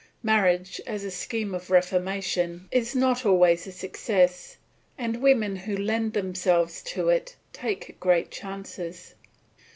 Marriage as a scheme of reformation is not always a success, and women who lend themselves to it take great chances.